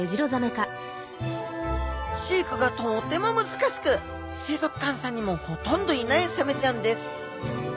飼育がとっても難しく水族館さんにもほとんどいないサメちゃんです